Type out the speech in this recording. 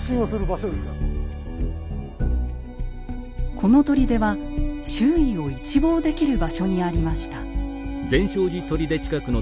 この砦は周囲を一望できる場所にありました。